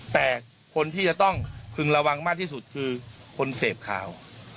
แต่คนที่จะต้องพึงระวังมากที่สุดคือคนเสพข่าว